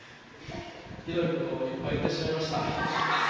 ひどいことをいっぱい言ってしまいました。